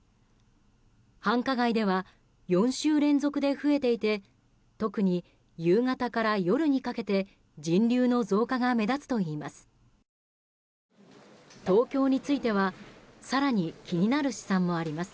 繁華街では４週連続で増えていて特に夕方から夜にかけて人流の増加が目立つといいます。